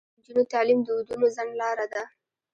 د نجونو تعلیم د ودونو ځنډ لاره ده.